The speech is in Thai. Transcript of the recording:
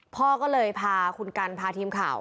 พ่อก็เลยพาคุณกันพาทีมข่าว